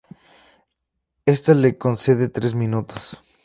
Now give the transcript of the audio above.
Esta le concede tres minutos.